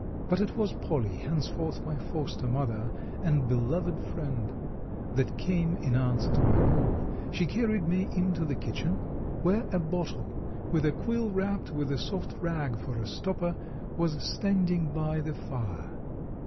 But it was Polly, henceforth my foster mother and beloved friend, that came in answer to my call. She carried me into the kitchen, where a bottle, with a quill wrapped with a soft rag for a stopper, was standing by the fire.